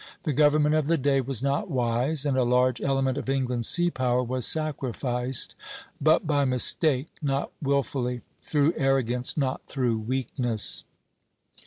The government of the day was not wise, and a large element of England's sea power was sacrificed; but by mistake, not wilfully; through arrogance, not through weakness.